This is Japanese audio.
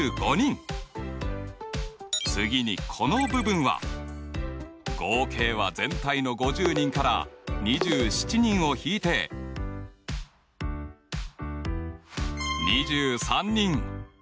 次にこの部分は合計は全体の５０人から２７人を引いて２３人。